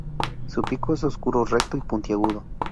Su pico es oscuro, recto y puntiagudo.